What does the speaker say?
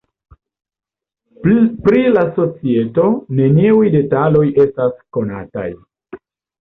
Pri la societo, neniuj detaloj estas konataj.